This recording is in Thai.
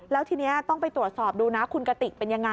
แล้วทีนี้ต้องไปตรวจสอบดูนะคุณกติกเป็นยังไง